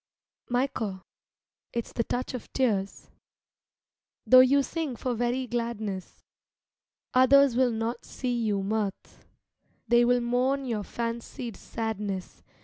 Michael, it's the touch of tears. Though you sing for very gladness, Others will not see you mirth; Vigils They will mourn your fancied sadness.